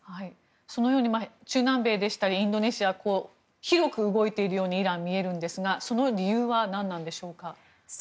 そのように中南米でしたりインドネシアとイランは広く動いているように見えますがその理由は何でしょうか。